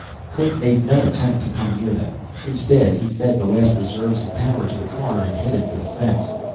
Kerk made no attempt to come near them. Instead he fed the last reserves of power to the car and headed for the fence.